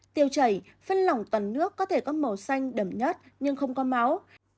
tiêu chảy phân lỏng toàn nước có thể có màu xanh đậm nhất nhưng không có máu